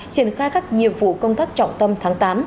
triển khai các nhiệm vụ công tác trọng tâm tháng tám